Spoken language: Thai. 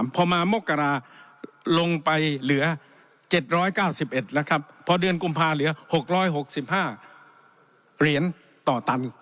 พอมามกราลงไปเหลือ๗๙๑แล้วครับพอเดือนกุมภาเหลือ๖๖๕เหรียญต่อตัน